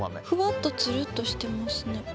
ふわっとつるっとしてますね。